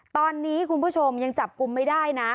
ตอนนี้คุณผู้ชมยังจับกลุ่มไม่ได้นะ